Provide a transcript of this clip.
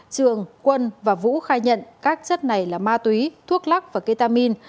trường quân và vũ khai nhận các chất này là ma túy thuốc lắc và ketamin